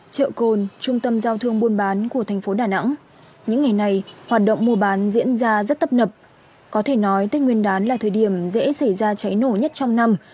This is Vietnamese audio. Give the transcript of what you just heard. chợ cồn trung tâm giao thương buôn bán của thành phố đà nẵng những ngày này hoạt động mua bán diễn ra rất tấp nập có thể nói tết nguyên đán là thời điểm dễ xảy ra cháy nổ nhất trong năm